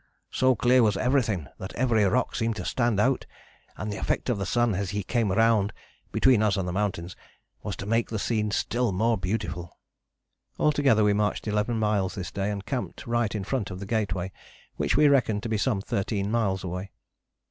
So clear was everything that every rock seemed to stand out, and the effect of the sun as he came round (between us and the mountains) was to make the scene still more beautiful." Altogether we marched eleven miles this day, and camped right in front of the Gateway, which we reckoned to be some thirteen miles away.